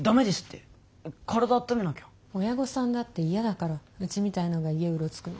親御さんだって嫌だからうちみたいのが家うろつくの。